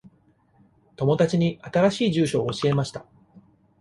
友達に新しい住所を教えました。